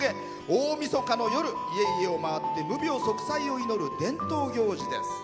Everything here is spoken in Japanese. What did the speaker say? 大みそかの夜、家々を回って無病息災を祈る伝統行事です。